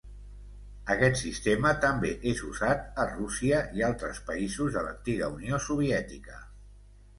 Aquest sistema també és usat a Rússia i altres països de l'antiga Unió Soviètica.